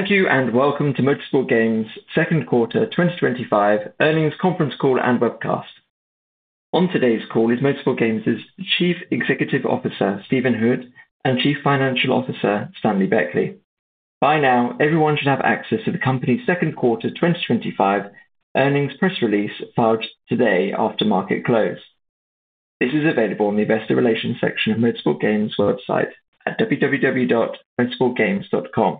Thank you and welcome to Motorsport Games Second Quarter 2025 Earnings Conference Call and Webcast. On today's call is Motorsport Games' Chief Executive Officer, Stephen Hood, and Chief Financial Officer, Stanley Beckley. By now, everyone should have access to the company's Second Quarter 2025 Earnings Press Release filed today after market close. This is available in the investor relations section of Motorsport Games' website at www.motorsportgames.com.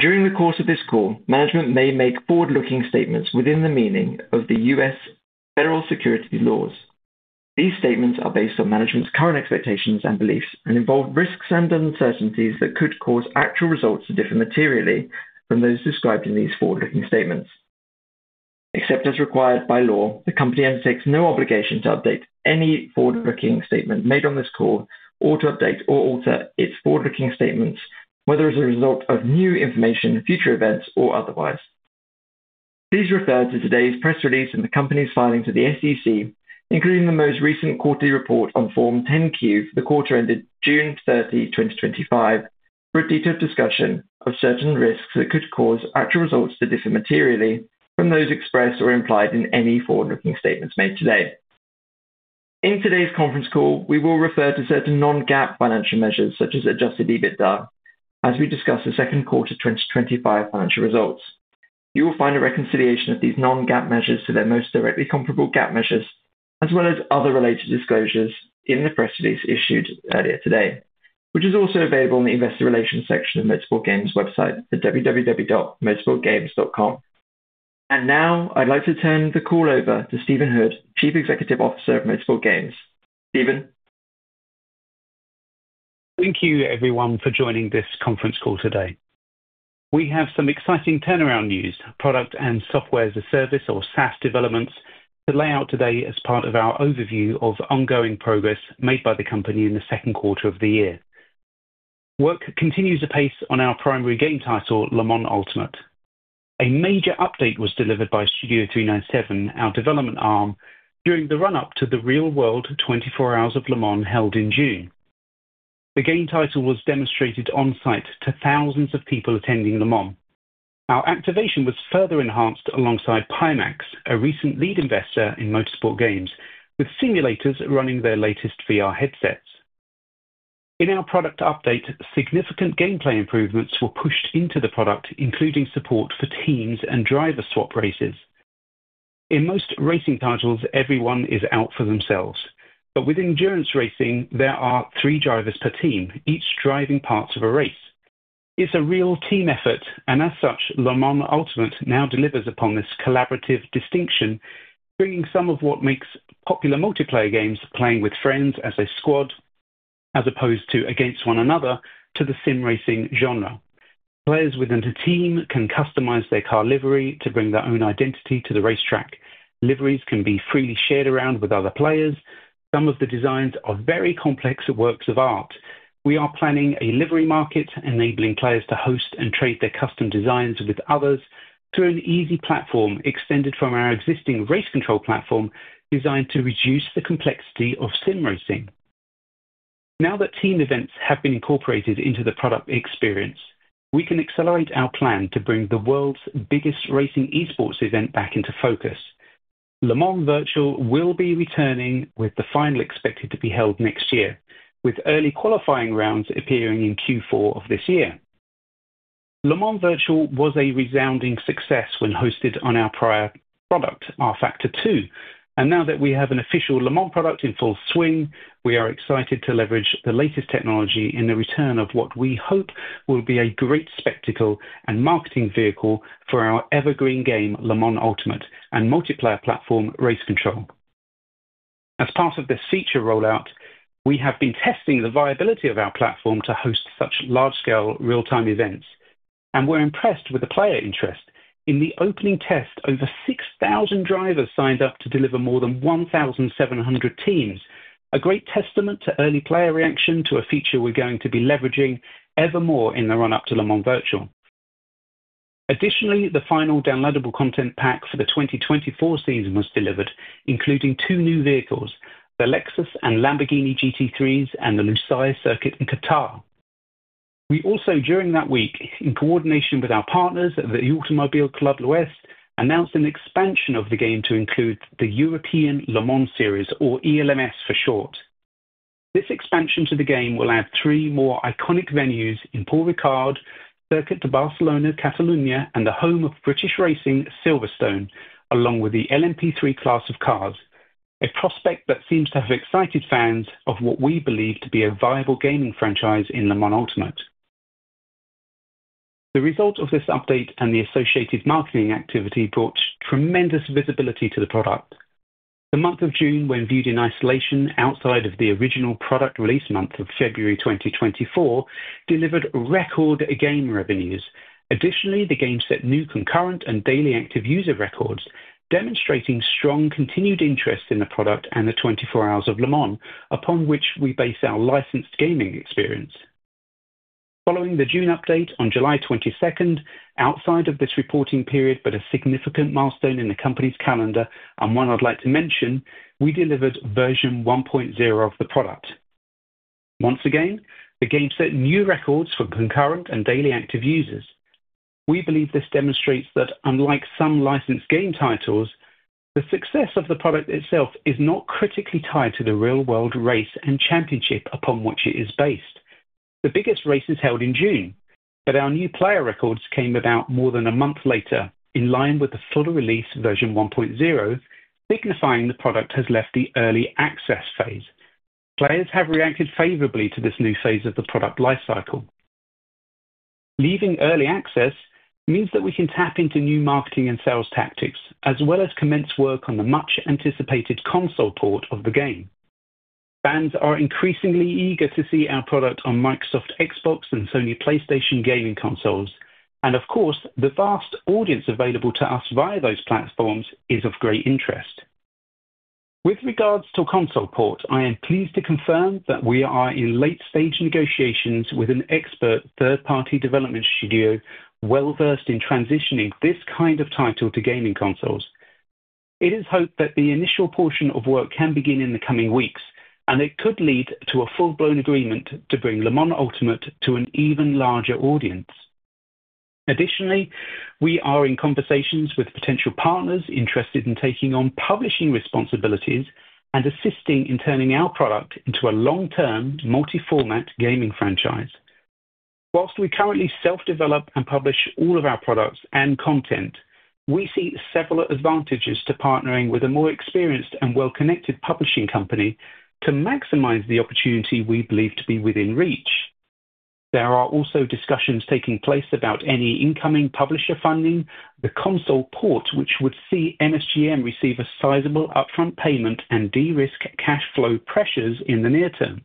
During the course of this call, management may make forward-looking statements within the meaning of the U.S. Federal Security Laws. These statements are based on management's current expectations and beliefs and involve risks and uncertainties that could cause actual results to differ materially from those described in these forward-looking statements. Except as required by law, the company undertakes no obligation to update any forward-looking statement made on this call or to update or alter its forward-looking statements, whether as a result of new information, future events, or otherwise. Please refer to today's press release and the company's filing to the SEC, including the most recent quarterly report on Form 10-Q for the quarter ended June 30, 2025, for a detailed discussion of certain risks that could cause actual results to differ materially from those expressed or implied in any forward-looking statements made today. In today's conference call, we will refer to certain non-GAAP financial measures, such as adjusted EBITDA, as we discuss the Second Quarter 2025 financial results. You will find a reconciliation of these non-GAAP measures to their most directly comparable GAAP measures, as well as other related disclosures in the press release issued earlier today, which is also available in the investor relations section of Motorsport Games' website at www.motorsportgames.com. Now, I'd like to turn the call over to Stephen Hood, Chief Executive Officer of Motorsport Games. Stephen? Thank you, everyone, for joining this conference call today. We have some exciting turnaround news, product and software as a service, or SaaS, developments to lay out today as part of our overview of ongoing progress made by the company in the second quarter of the year. Work continues apace on our primary game title, Le Mans Ultimate. A major update was delivered by Studio 397, our development arm, during the run-up to the real-world 24 Hours of Le Mans held in June. The game title was demonstrated on-site to thousands of people attending Le Mans. Our activation was further enhanced alongside Pimax, a recent lead investor in Motorsport Games, with simulators running their latest VR headsets. In our product update, significant gameplay improvements were pushed into the product, including support for teams and driver swap races. In most racing titles, everyone is out for themselves, but with endurance racing, there are three drivers per team, each driving parts of a race. It's a real team effort, and as such, Le Mans Ultimate now delivers upon this collaborative distinction, bringing some of what makes popular multiplayer games, playing with friends as a squad as opposed to against one another, to the sim racing genre. Players within a team can customize their car livery to bring their own identity to the racetrack. Liveries can be freely shared around with other players. Some of the designs are very complex works of art. We are planning a livery marketplace, enabling players to host and trade their custom designs with others through an easy platform extended from our existing RaceControl platform, designed to reduce the complexity of sim racing. Now that team events have been incorporated into the product experience, we can accelerate our plan to bring the world's biggest racing e-sports event back into focus. Le Mans Virtual will be returning, with the final expected to be held next year, with early qualifying rounds appearing in Q4 of this year. Le Mans Virtual was a resounding success when hosted on our prior product, rFactor 2, and now that we have an official Le Mans product in full swing, we are excited to leverage the latest technology in the return of what we hope will be a great spectacle and marketing vehicle for our evergreen game, Le Mans Ultimate, and multiplayer platform, RaceControl. As part of this feature rollout, we have been testing the viability of our platform to host such large-scale real-time events, and we're impressed with the player interest. In the opening test, over 6,000 drivers signed up to deliver more than 1,700 teams, a great testament to early player reaction to a feature we're going to be leveraging ever more in the run-up to Le Mans Virtual. Additionally, the final downloadable content pack for the 2024 season was delivered, including two new vehicles, the Lexus and Lamborghini GT3s, and the Lusail circuit in Qatar. We also, during that week, in coordination with our partners at the Automobile Club de l'Ouest, announced an expansion of the game to include the European Le Mans Series, or ELMS for short. This expansion to the game will add three more iconic venues in Paul Ricard, Circuit de Barcelona-Catalunya, and the home of British racing, Silverstone, along with the LMP3 class of cars, a prospect that seems to have excited fans of what we believe to be a viable gaming franchise in Le Mans Ultimate. The result of this update and the associated marketing activity brought tremendous visibility to the product. The month of June, when viewed in isolation outside of the original product release month of February 2024, delivered record game revenues. Additionally, the game set new concurrent and daily active user records, demonstrating strong continued interest in the product and the 24 Hours of Le Mans, upon which we base our licensed gaming experience. Following the June update on July 22, outside of this reporting period, but a significant milestone in the company's calendar, and one I'd like to mention, we delivered version 1.0 of the product. Once again, the game set new records for concurrent and daily active users. We believe this demonstrates that, unlike some licensed game titles, the success of the product itself is not critically tied to the real-world race and championship upon which it is based. The biggest race is held in June, but our new player records came about more than a month later, in line with the full release version 1.0, signifying the product has left the early access phase. Players have reacted favorably to this new phase of the product life cycle. Leaving early access means that we can tap into new marketing and sales tactics, as well as commence work on the much-anticipated console port of the game. Fans are increasingly eager to see our product on Microsoft Xbox and Sony PlayStation gaming consoles, and of course, the vast audience available to us via those platforms is of great interest. With regards to console port, I am pleased to confirm that we are in late-stage negotiations with an expert third-party development studio well-versed in transitioning this kind of title to gaming consoles. It is hoped that the initial portion of work can begin in the coming weeks, and it could lead to a full-blown agreement to bring Le Mans Ultimate to an even larger audience. Additionally, we are in conversations with potential partners interested in taking on publishing responsibilities and assisting in turning our product into a long-term multi-format gaming franchise. Whilst we currently self-develop and publish all of our products and content, we see several advantages to partnering with a more experienced and well-connected publishing company to maximize the opportunity we believe to be within reach. There are also discussions taking place about any incoming publisher funding, the console port, which would see MSGM receive a sizable upfront payment and de-risk cash flow pressures in the near term.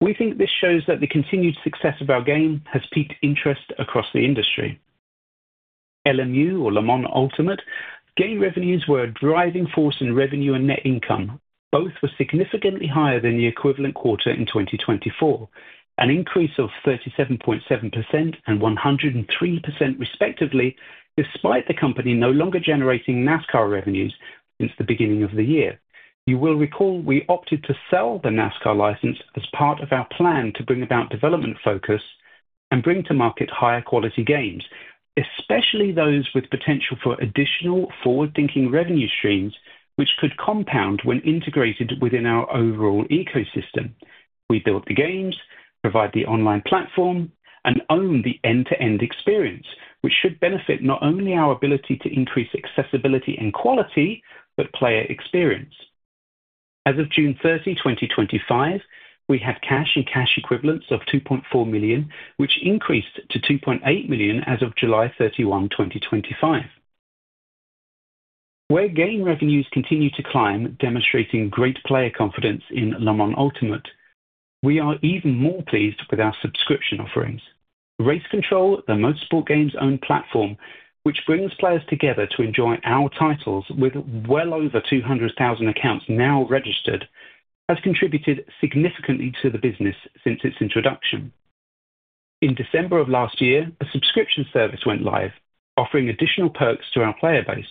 We think this shows that the continued success of our game has piqued interest across the industry. LMU, or Le Mans Ultimate, game revenues were a driving force in revenue and net income. Both were significantly higher than the equivalent quarter in 2024, an increase of 37.7% and 103% respectively, despite the company no longer generating NASCAR revenues since the beginning of the year. You will recall we opted to sell the NASCAR license as part of our plan to bring about development focus and bring to market higher quality games, especially those with potential for additional forward-thinking revenue streams, which could compound when integrated within our overall ecosystem. We built the games, provide the online platform, and own the end-to-end experience, which should benefit not only our ability to increase accessibility and quality, but player experience. As of June 30, 2025, we had cash and cash equivalents of $2.4 million, which increased to $2.8 million as of July 31, 2025. Where game revenues continue to climb, demonstrating great player confidence in Le Mans Ultimate, we are even more pleased with our subscription offerings. RaceControl, the Motorsport Games' own platform, which brings players together to enjoy our titles with well over 200,000 accounts now registered, has contributed significantly to the business since its introduction. In December of last year, a subscription service went live, offering additional perks to our player base.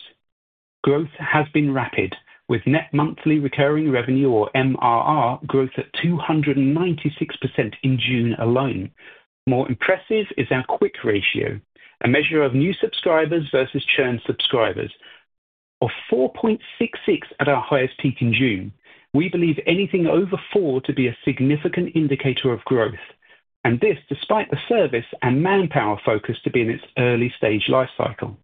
Growth has been rapid, with net monthly recurring revenue, or MRR, growth at 296% in June alone. More impressive is our quick ratio, a measure of new subscribers versus churn subscribers, of 4.66 at our highest peak in June. We believe anything over four to be a significant indicator of growth, and this despite the service and manpower focused to be in its early stage life cycle.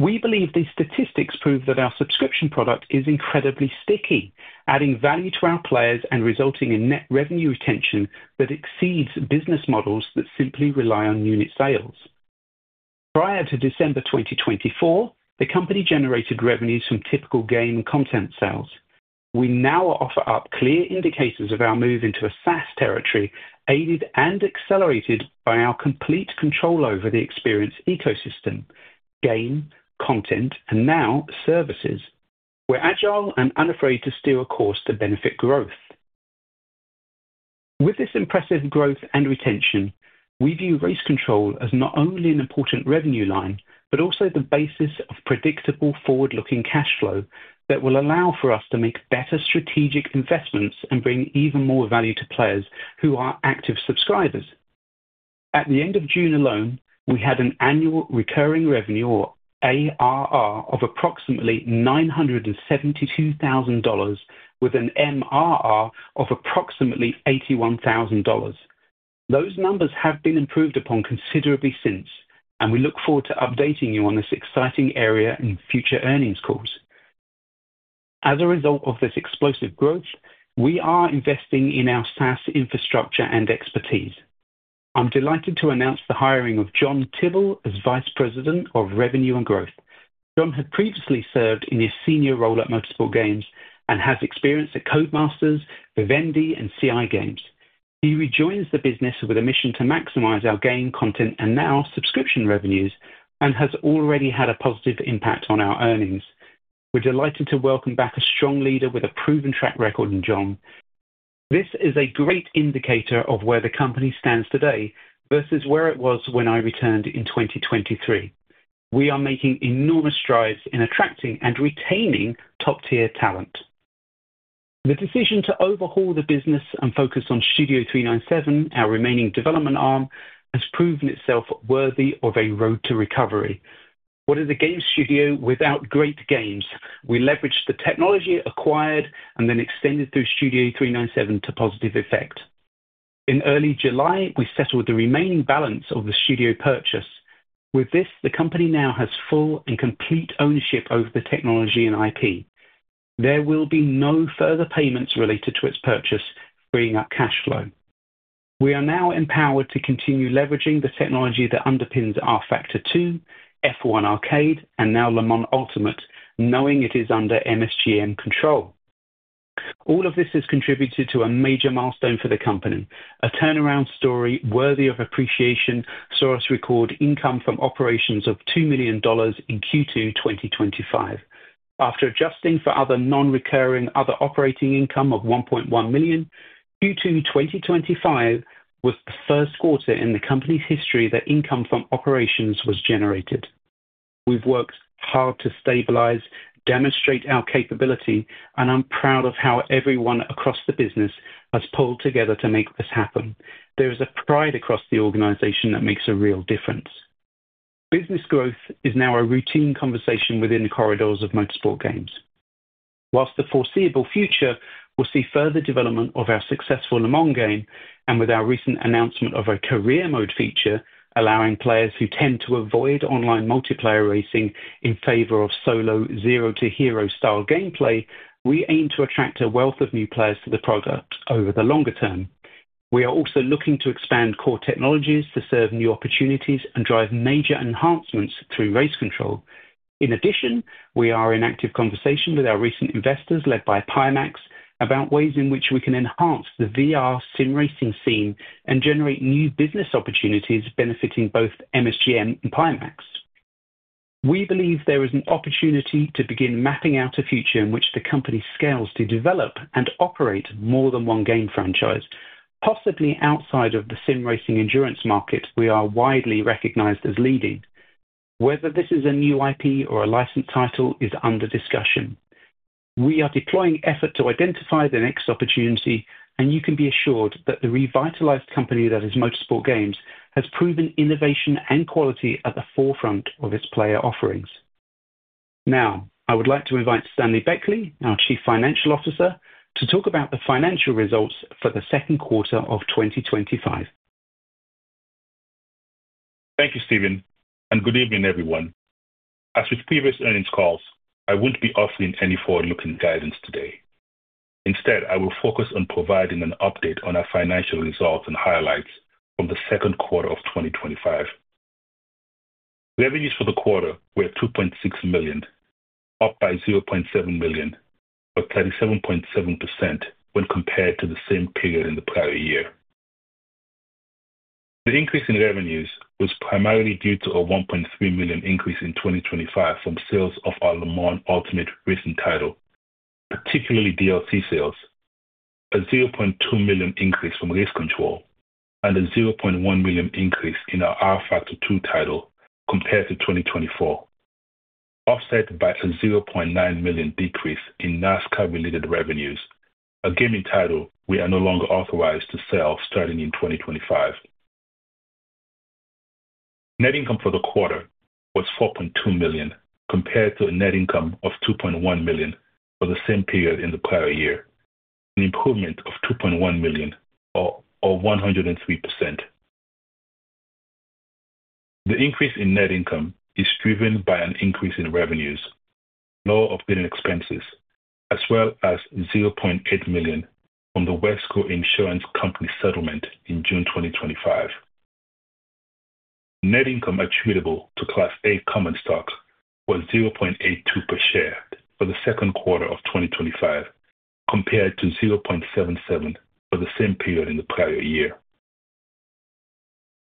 We believe these statistics prove that our subscription product is incredibly sticky, adding value to our players and resulting in net revenue retention that exceeds business models that simply rely on unit sales. Prior to December 2024, the company generated revenues from typical game content sales. We now offer up clear indicators of our move into a SaaS territory, aided and accelerated by our complete control over the experience ecosystem, game, content, and now services. We're agile and unafraid to steer a course to benefit growth. With this impressive growth and retention, we view RaceControl as not only an important revenue line, but also the basis of predictable forward-looking cash flow that will allow for us to make better strategic investments and bring even more value to players who are active subscribers. At the end of June alone, we had an annual recurring revenue, or ARR, of approximately $972,000, with an MRR of approximately $81,000. Those numbers have been improved upon considerably since, and we look forward to updating you on this exciting area in future earnings calls. As a result of this explosive growth, we are investing in our SaaS infrastructure and expertise. I'm delighted to announce the hiring of John Tibble as Vice President of Revenue and Growth. John had previously served in his senior role at Motorsport Games and has experience at Codemasters, Vivendi, and CI Games. He rejoins the business with a mission to maximize our game content and now subscription revenues, and has already had a positive impact on our earnings. We're delighted to welcome back a strong leader with a proven track record in John. This is a great indicator of where the company stands today versus where it was when I returned in 2023. We are making enormous strides in attracting and retaining top-tier talent. The decision to overhaul the business and focus on Studio 397, our remaining development arm, has proven itself worthy of a road to recovery. What is a game studio without great games? We leveraged the technology acquired and then extended through Studio 397 to positive effect. In early July, we settled the remaining balance of the studio purchase. With this, the company now has full and complete ownership over the technology and IP. There will be no further payments related to its purchase, freeing up cash flow. We are now empowered to continue leveraging the technology that underpins rFactor 2, F1 Arcade, and now Le Mans Ultimate, knowing it is under MSGM control. All of this has contributed to a major milestone for the company. A turnaround story worthy of appreciation saw us record income from operations of $2 million in Q2 2025. After adjusting for other non-recurring other operating income of $1.1 million, Q2 2025 was the first quarter in the company's history that income from operations was generated. We've worked hard to stabilize, demonstrate our capability, and I'm proud of how everyone across the business has pulled together to make this happen. There is a pride across the organization that makes a real difference. Business growth is now a routine conversation within the corridors of Motorsport Games. Whilst the foreseeable future will see further development of our successful Le Mans Ultimate game, and with our recent announcement of a career mode feature, allowing players who tend to avoid online multiplayer racing in favor of solo zero-to-hero style gameplay, we aim to attract a wealth of new players to the product over the longer term. We are also looking to expand core technologies to serve new opportunities and drive major enhancements through RaceControl. In addition, we are in active conversation with our recent investors, led by Pimax, about ways in which we can enhance the VR sim racing scene and generate new business opportunities benefiting both MSGM and Pimax. We believe there is an opportunity to begin mapping out a future in which the company scales to develop and operate more than one game franchise, possibly outside of the sim racing endurance market we are widely recognized as leading. Whether this is a new IP or a licensed title is under discussion. We are deploying effort to identify the next opportunity, and you can be assured that the revitalized company that is Motorsport Games has proven innovation and quality at the forefront of its player offerings. Now, I would like to invite Stanley Beckley, our Chief Financial Officer, to talk about the financial results for the second quarter of 2025. Thank you, Stephen, and good evening, everyone. As with previous earnings calls, I won't be offering any forward-looking guidance today. Instead, I will focus on providing an update on our financial results and highlights from the second quarter of 2025. Revenues for the quarter were $2.6 million, up by $0.7 million, or 37.7% when compared to the same period in the prior year. The increase in revenues was primarily due to a $1.3 million increase in 2025 from sales of our Le Mans Ultimate racing title, particularly DLC sales, a $0.2 million increase from RaceControl, and a $0.1 million increase in our rFactor 2 title compared to 2024, offset by a $0.9 million decrease in NASCAR-related revenues, a gaming title we are no longer authorized to sell starting in 2025. Net income for the quarter was $4.2 million, compared to a net income of $2.1 million for the same period in the prior year, an improvement of $2.1 million or 103%. The increase in net income is driven by an increase in revenues, lower billing expenses, as well as $0.8 million from the Wesco Insurance Company settlement in June 2025. Net income attributable to Class A common stock was $0.82 per share for the second quarter of 2025, compared to $0.77 for the same period in the prior year.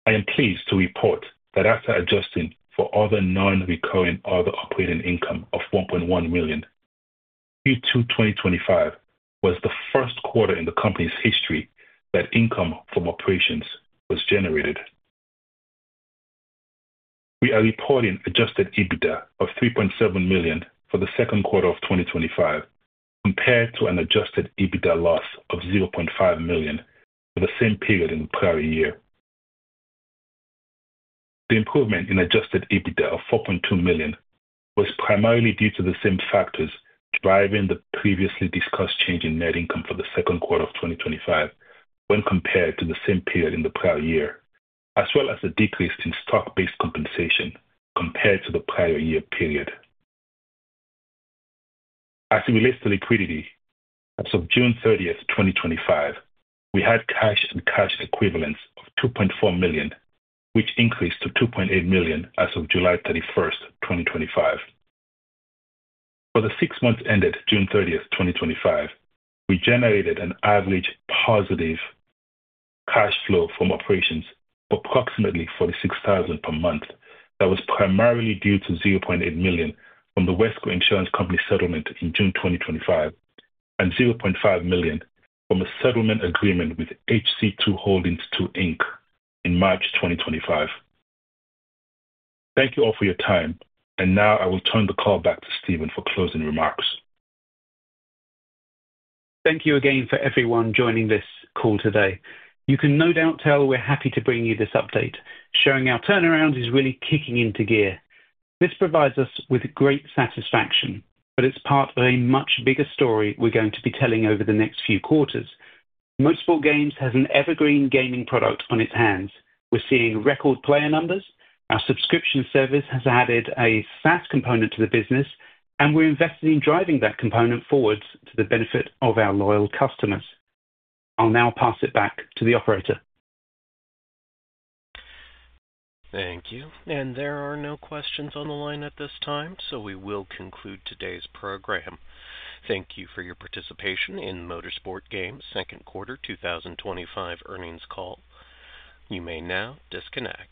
I am pleased to report that after adjusting for other non-recurring other operating income of $1.1 million, Q2 2025 was the first quarter in the company's history that income from operations was generated. We are reporting adjusted EBITDA of $3.7 million for the second quarter of 2025, compared to an adjusted EBITDA loss of $0.5 million for the same period in the prior year. The improvement in adjusted EBITDA of $4.2 million was primarily due to the same factors driving the previously discussed change in net income for the second quarter of 2025 when compared to the same period in the prior year, as well as the decrease in stock-based compensation compared to the prior year period. As it relates to liquidity, as of June 30th, 2025, we had cash and cash equivalents of $2.4 million, which increased to $2.8 million as of July 31st, 2025. For the six months ended June 30th, 2025, we generated an average positive cash flow from operations of approximately $46,000 per month. That was primarily due to $0.8 million from the Wesco Insurance Company settlement in June 2025 and $0.5 million from a settlement agreement with HC2 Holdings 2 Inc. in March 2025. Thank you all for your time, and now I will turn the call back to Stephen for closing remarks. Thank you again for everyone joining this call today. You can no doubt tell we're happy to bring you this update. Sharing our turnaround is really kicking into gear. This provides us with great satisfaction, but it's part of a much bigger story we're going to be telling over the next few quarters. Motorsport Games has an evergreen gaming product on its hands. We're seeing record player numbers, our subscription service has added a SaaS component to the business, and we're invested in driving that component forwards to the benefit of our loyal customers. I'll now pass it back to the operator. Thank you, and there are no questions on the line at this time, so we will conclude today's program. Thank you for your participation in Motorsport Games Second Quarter 2025 Earnings Call. You may now disconnect.